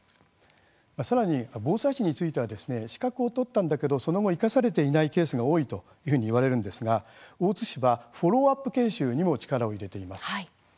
さらに、防災士については資格を取ったんだけど、その後生かされていないケースが多いというふうにいわれるんですが大津市はフォローアップ研修にも力を入れています。